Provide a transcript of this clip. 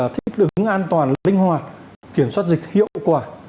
thích hướng an toàn linh hoạt kiểm soát dịch hiệu quả